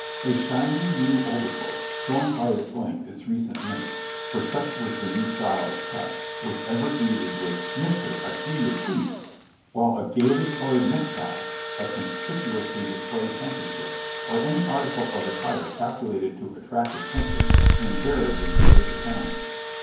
A shining new overcoat, showing by its length its recent make, for such was the new style of cut, was ever greeted with "Mister, I see your feet !" While a gaily colored necktie, a conspicuously displayed handkerchief, or any article of attire calculated to attract attention, invariably paid the penalty.